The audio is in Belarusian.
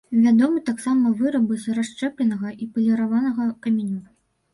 Вядомы таксама вырабы з расшчэпленага і паліраванага каменю.